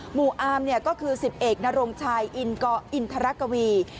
หมู่อามก็คือสิบเอกนรงชายอินทรักวี